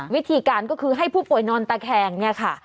วิธีการก็คือให้ผู้ป่วยนอนตะแคงเนี่ยค่ะ